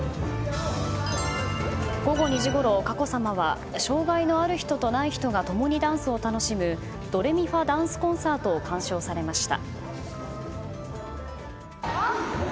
午後２時ごろ、佳子さまは障害のある人とない人が共にダンスを楽しむドレミファダンスコンサートを鑑賞されました。